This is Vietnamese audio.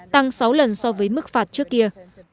tăng sáu lần so với mức phạt trước kia